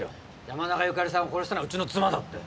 山中由佳里さんを殺したのはうちの妻だって。